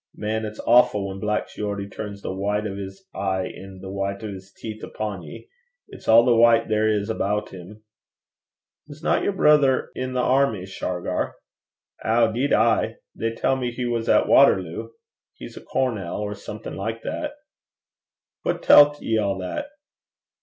Man, it's awfu' whan Black Geordie turns the white o' 's ee, an' the white o' 's teeth upo' ye. It's a' the white 'at there is about 'im.' 'Wasna yer brither i' the airmy, Shargar?' 'Ow, 'deed ay. They tell me he was at Watterloo. He's a cornel, or something like that.' 'Wha tellt ye a' that?'